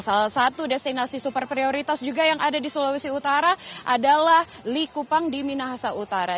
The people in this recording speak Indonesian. salah satu destinasi super prioritas juga yang ada di sulawesi utara adalah likupang di minahasa utara